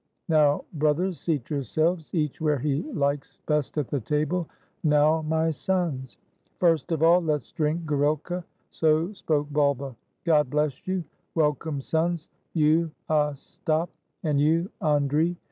"Now, brothers, seat yourselves, each where he likes best at the table; now, my sons. First of all, let's drink gorilka." So spoke Bulba. "God bless you: Welcome, sons; you Ostap, and you Andrii.